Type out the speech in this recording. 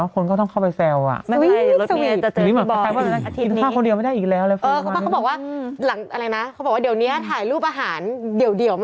คนนี้ดิวน้องเดียว